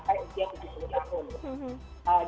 atau jarak yang usia tujuh puluh tahun